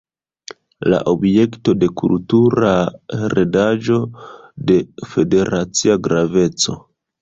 La objekto de kultura heredaĵo de Federacia graveco.